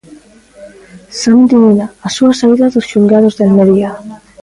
Santi Mina, a súa saída dos xulgados de Almería.